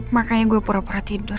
makanya gue pura pura tidur